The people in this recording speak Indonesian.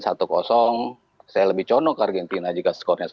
saya lebih conok argentina jika skornya satu